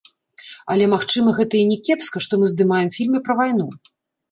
Але, магчыма, гэта і не кепска, што мы здымаем фільмы пра вайну?